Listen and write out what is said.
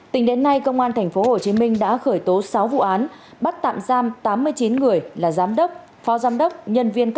tính đến nay công an tp hcm đã khởi tố sáu vụ án bắt tạm giam tám mươi chín người là giám đốc phó giám đốc